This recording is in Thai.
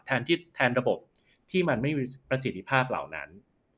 แทนระบบที่มันไม่มีประสิทธิภาพเหล่านั้น